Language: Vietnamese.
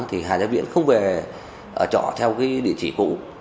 thì hà giá viễn không về ở trọ theo cái địa chỉ cũ